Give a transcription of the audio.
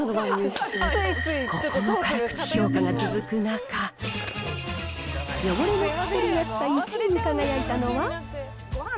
ここまで辛口評価が続く中、汚れの拭き取りやすさ１位に輝いたのは。